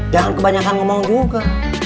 jangan kebanyakan ngomong juga